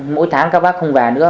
mỗi tháng các bác không về nữa